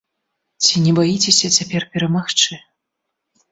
Ці не баіцеся цяпер перамагчы?